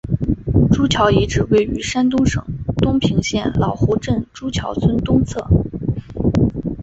朱桥遗址位于山东省东平县老湖镇朱桥村东侧。